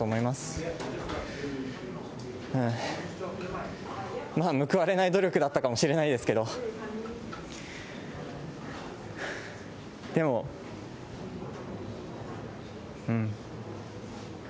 まあ、報われない努力だったかもしれないですけど、でも、うん。